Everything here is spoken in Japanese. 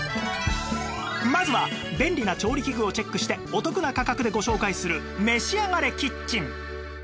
まずは便利な調理器具をチェックしてお得な価格でご紹介するめしあがれキッチン